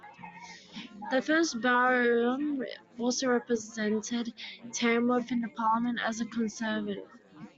The first Baron also represented Tamworth in Parliament as a Conservative.